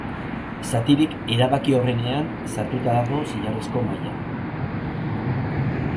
Zatirik erabakiorrenean sartuta dago zilarrezko maila.